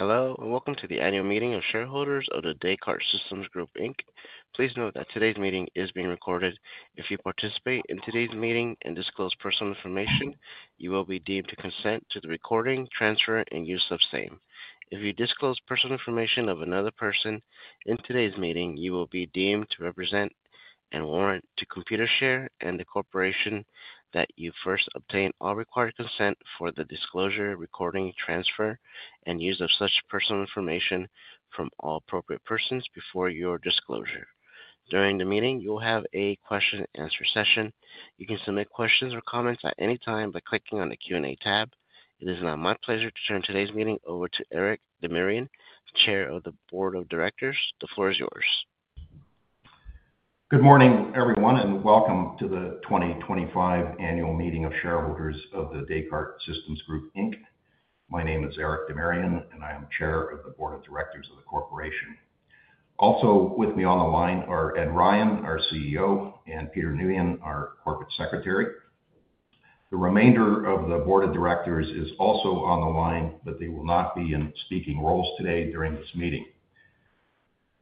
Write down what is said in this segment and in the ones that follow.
Hello, and welcome to the annual meeting of shareholders of The Descartes Systems Group. Please note that today's meeting is being recorded. If you participate in today's meeting and disclose personal information, you will be deemed to consent to the recording, transfer, and use of same. If you disclose personal information of another person in today's meeting, you will be deemed to represent and warrant to Computershare and the corporation that you first obtain all required consent for the disclosure, recording, transfer, and use of such personal information from all appropriate persons before your disclosure. During the meeting, you'll have a question-and-answer session. You can submit questions or comments at any time by clicking on the Q&A tab. It is now my pleasure to turn today's meeting over to Eric Demirian, Chair of the Board of Directors. The floor is yours. Good morning, everyone, and welcome to the 2025 annual meeting of shareholders of the Descartes Systems Group Inc. My name is Eric Demirian, and I am Chair of the Board of Directors of the corporation. Also with me on the line are Ed Ryan, our CEO, and Peter Nguyen, our Corporate Secretary. The remainder of the board of directors is also on the line, but they will not be in speaking roles today during this meeting.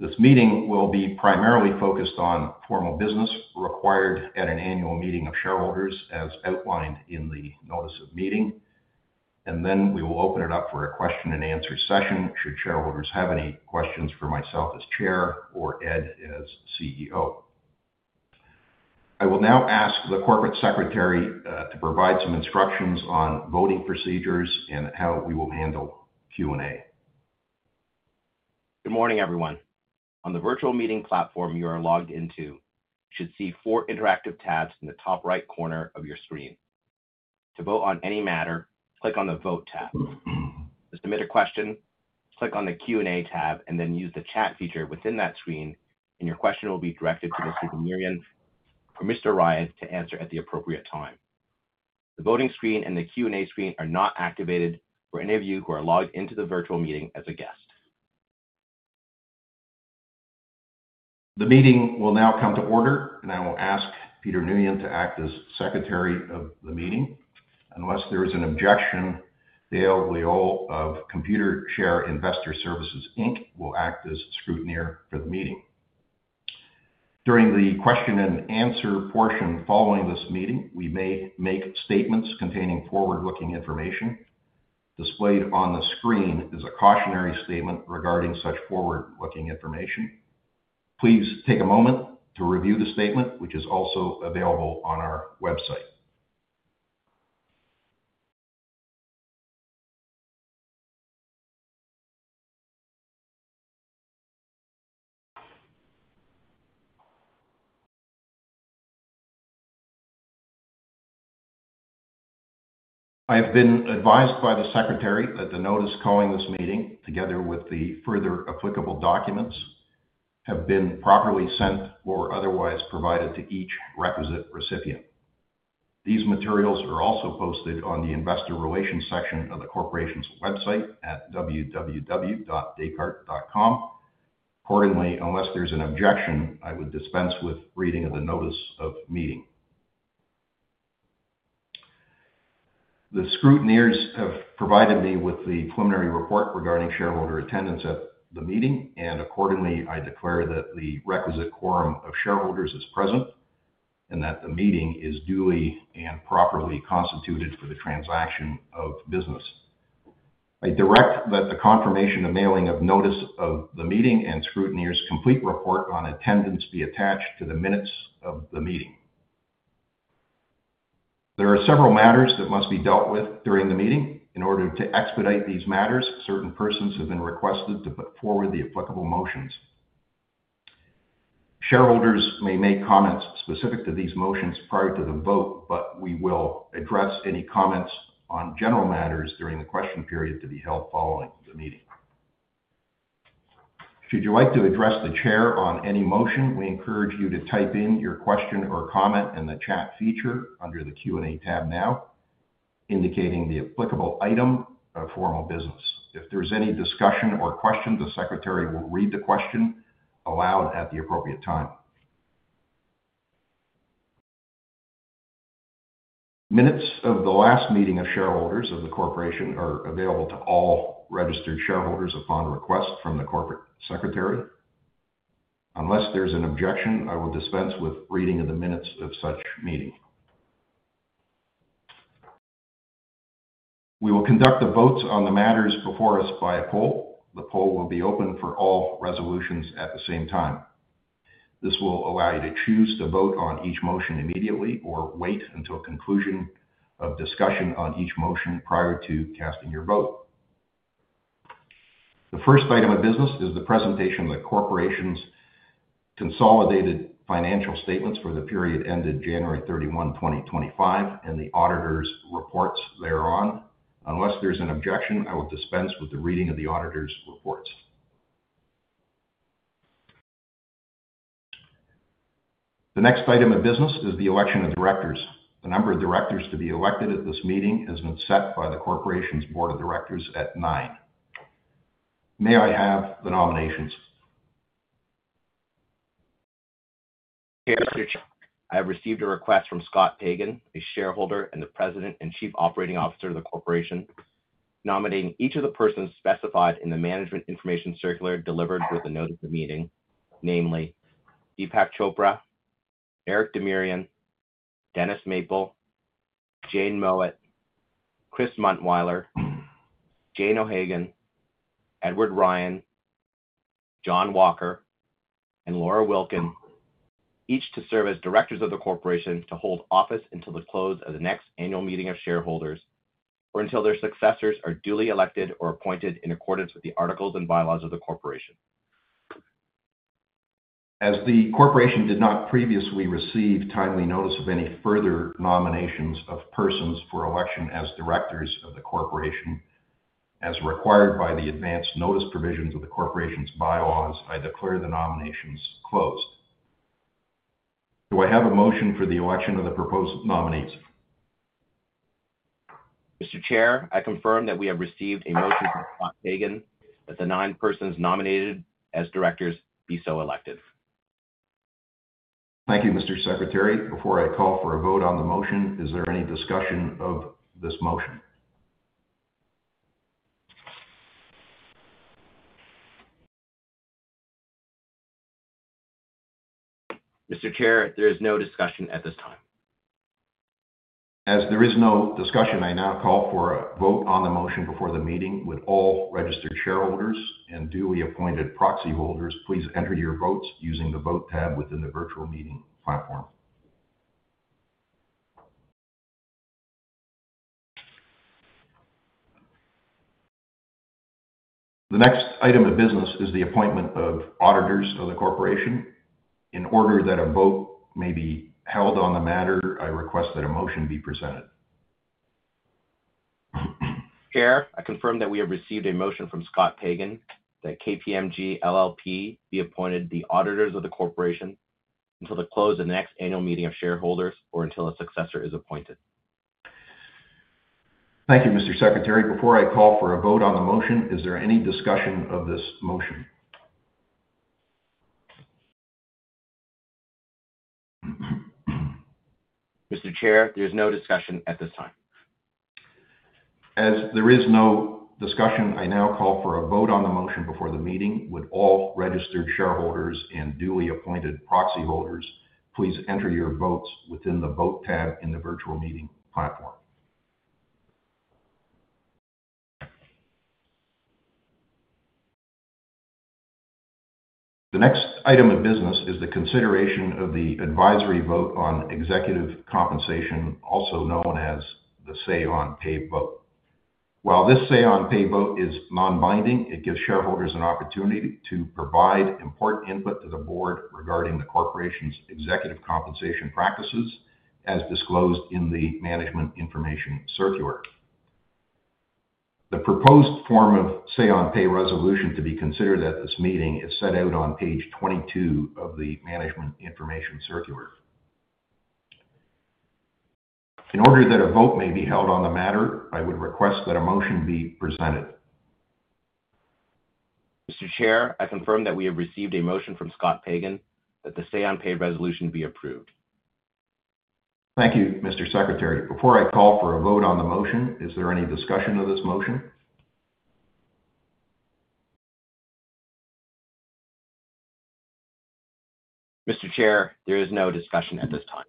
This meeting will be primarily focused on formal business required at an annual meeting of shareholders, as outlined in the notice of meeting. We will open it up for a question-and-answer session should shareholders have any questions for myself as chair or Ed as CEO. I will now ask the Corporate Secretary to provide some instructions on voting procedures and how we will handle Q&A. Good morning, everyone. On the virtual meeting platform you are logged into, you should see four interactive tabs in the top right corner of your screen. To vote on any matter, click on the Vote tab. To submit a question, click on the Q&A tab and then use the chat feature within that screen, and your question will be directed to Mr. Demirian or Mr. Ryan to answer at the appropriate time. The voting screen and the Q&A screen are not activated for any of you who are logged into the virtual meeting as a guest. The meeting will now come to order, and I will ask Peter Nguyen to act as Secretary of the meeting. Unless there is an objection, Dale Loyol of Computershare Investor Services Inc will act as scrutineer for the meeting. During the question-and-answer portion following this meeting, we may make statements containing forward-looking information. Displayed on the screen is a cautionary statement regarding such forward-looking information. Please take a moment to review the statement, which is also available on our website. I have been advised by the Secretary that the notice calling this meeting, together with the further applicable documents, have been properly sent or otherwise provided to each requisite recipient. These materials are also posted on the investor relations section of the corporation's website at www.descartes.com. Accordingly, unless there's an objection, I would dispense with reading of the notice of meeting. The scrutineers have provided me with the preliminary report regarding shareholder attendance at the meeting, and accordingly, I declare that the requisite quorum of shareholders is present and that the meeting is duly and properly constituted for the transaction of business. I direct that the confirmation of mailing of notice of the meeting and scrutineers' complete report on attendance be attached to the minutes of the meeting. There are several matters that must be dealt with during the meeting. In order to expedite these matters, certain persons have been requested to put forward the applicable motions. Shareholders may make comments specific to these motions prior to the vote, but we will address any comments on general matters during the question period to be held following the meeting. Should you like to address the chair on any motion, we encourage you to type in your question or comment in the chat feature under the Q&A tab now, indicating the applicable item of formal business. If there is any discussion or question, the Secretary will read the question aloud at the appropriate time. Minutes of the last meeting of shareholders of the corporation are available to all registered shareholders upon request from the Corporate Secretary. Unless there is an objection, I will dispense with reading of the minutes of such meeting. We will conduct the votes on the matters before us by a poll. The poll will be open for all resolutions at the same time. This will allow you to choose to vote on each motion immediately or wait until conclusion of discussion on each motion prior to casting your vote. The first item of business is the presentation of the corporation's consolidated financial statements for the period ended January 31, 2025, and the Auditor's reports thereon. Unless there's an objection, I will dispense with the reading of the Auditor's reports. The next item of business is the election of directors. The number of directors to be elected at this meeting has been set by the corporation's Board of Directors at nine. May I have the nominations? Yes, Mr. I have received a request from Scott Pagan, a shareholder and the President and Chief Operating Officer of the corporation, nominating each of the persons specified in the management information circular delivered with the notice of meeting, namely Deepak Chopra, Eric Demirian, Dennis Maple, Jane Mowet, Chris Muntwyler, Jane O'Hagan, Edward Ryan, John Walker, and Laura Wilkin, each to serve as directors of the corporation to hold office until the close of the next annual meeting of shareholders or until their successors are duly elected or appointed in accordance with the articles and bylaws of the corporation. As the corporation did not previously receive timely notice of any further nominations of persons for election as directors of the corporation, as required by the advance notice provisions of the corporation's bylaws, I declare the nominations closed. Do I have a motion for the election of the proposed nominees? Mr. Chair, I confirm that we have received a motion from Scott Pagan that the nine persons nominated as directors be so elected. Thank you, Mr. Secretary. Before I call for a vote on the motion, is there any discussion of this motion? Mr. Chair, there is no discussion at this time. As there is no discussion, I now call for a vote on the motion before the meeting with all registered shareholders and duly appointed proxy holders. Please enter your votes using the vote tab within the virtual meeting platform. The next item of business is the appointment of auditors of the corporation. In order that a vote may be held on the matter, I request that a motion be presented. Chair, I confirm that we have received a motion from Scott Pagan that KPMG LLP be appointed the auditors of the corporation until the close of the next annual meeting of shareholders or until a successor is appointed. Thank you, Mr. Secretary. Before I call for a vote on the motion, is there any discussion of this motion? Mr. Chair, there is no discussion at this time. As there is no discussion, I now call for a vote on the motion before the meeting with all registered shareholders and duly appointed proxy holders. Please enter your votes within the vote tab in the virtual meeting platform. The next item of business is the consideration of the advisory vote on executive compensation, also known as the say-on-pay vote. While this say-on-pay vote is non-binding, it gives shareholders an opportunity to provide important input to the board regarding the corporation's executive compensation practices, as disclosed in the management information circular. The proposed form of say-on-pay resolution to be considered at this meeting is set out on page 22 of the management information circular. In order that a vote may be held on the matter, I would request that a motion be presented. Mr. Chair, I confirm that we have received a motion from Scott Pagan that the say-on-pay resolution be approved. Thank you, Mr. Secretary. Before I call for a vote on the motion, is there any discussion of this motion? Mr. Chair, there is no discussion at this time.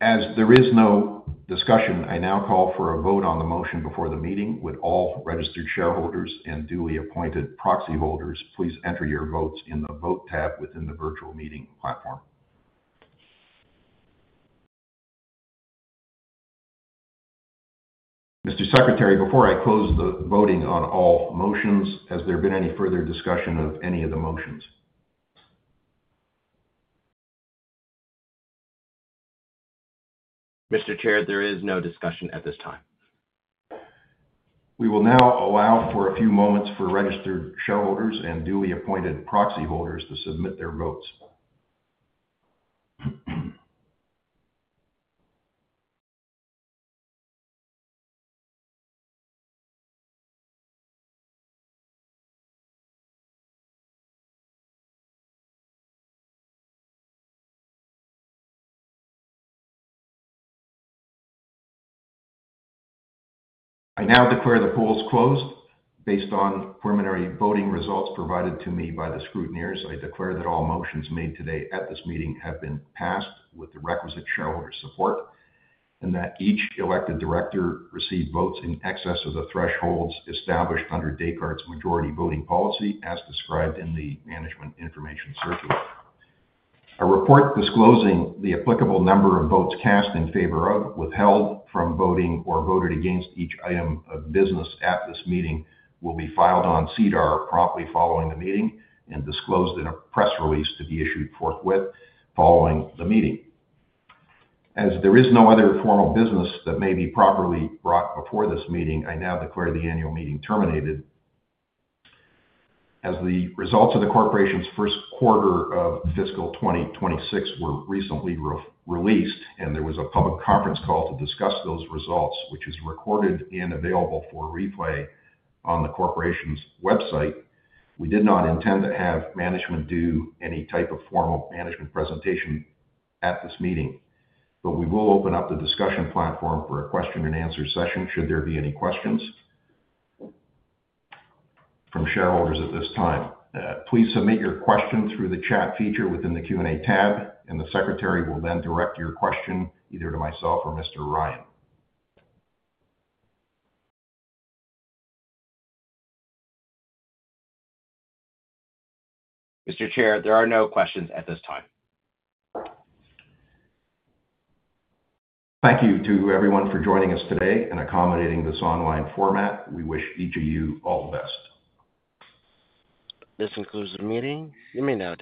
As there is no discussion, I now call for a vote on the motion before the meeting with all registered shareholders and duly appointed proxy holders. Please enter your votes in the vote tab within the virtual meeting platform. Mr. Secretary, before I close the voting on all motions, has there been any further discussion of any of the motions? Mr. Chair, there is no discussion at this time. We will now allow for a few moments for registered shareholders and duly appointed proxy holders to submit their votes. I now declare the polls closed. Based on preliminary voting results provided to me by the scrutineers, I declare that all motions made today at this meeting have been passed with the requisite shareholder support and that each elected director received votes in excess of the thresholds established under Descartes' majority voting policy, as described in the management information circular. A report disclosing the applicable number of votes cast in favor of, withheld from voting, or voted against each item of business at this meeting will be filed on SEDAR promptly following the meeting and disclosed in a press release to be issued forthwith following the meeting. As there is no other formal business that may be properly brought before this meeting, I now declare the annual meeting terminated. As the results of the corporation's first quarter of fiscal 2026 were recently released, and there was a public conference call to discuss those results, which is recorded and available for replay on the corporation's website, we did not intend to have management do any type of formal management presentation at this meeting, but we will open up the discussion platform for a question-and-answer session should there be any questions from shareholders at this time. Please submit your question through the chat feature within the Q&A tab, and the Secretary will then direct your question either to myself or Mr. Ryan. Mr. Chair, there are no questions at this time. Thank you to everyone for joining us today and accommodating this online format. We wish each of you all the best. This concludes the meeting. You may now.